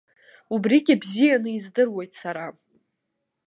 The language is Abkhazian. Убригьы бзианы издыруеит сара.